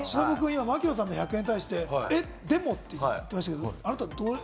槙野さんの１００円に対して、「えっ、でも」って言ってました。